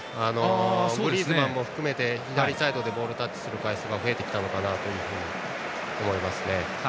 グリーズマンも含めて左サイドでボールタッチする回数が増えてきたのかなと思います。